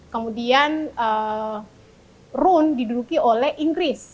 kemudian rune diduduki oleh inggris